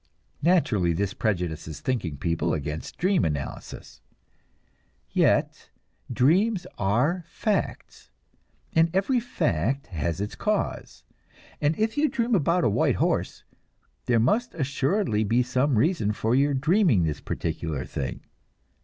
Naturally this prejudices thinking people against dream analysis; yet, dreams are facts, and every fact has its cause, and if you dream about a white horse, there must assuredly be some reason for your dreaming this particular thing.